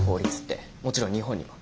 もちろん日本にも。